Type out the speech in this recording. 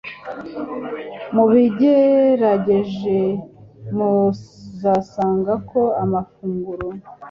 mubigerageje, muzasanga ko amafunguro